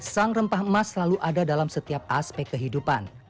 sang rempah emas selalu ada dalam setiap aspek kehidupan